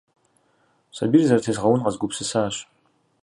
Сабийр зэрытезгъэун къэзгупсысащ.